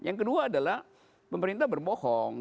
yang kedua adalah pemerintah berbohong